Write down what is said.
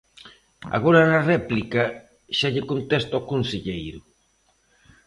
Agora na réplica xa lle contesta o conselleiro.